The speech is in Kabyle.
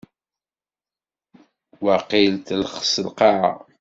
Waqil telxes lqaɛa.